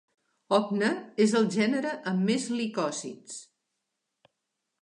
"Hogna" és el gènere amb més licòsids.